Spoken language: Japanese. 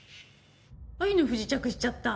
愛の不時着しちゃった。